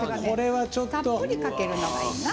たっぷりかけるのがいいな。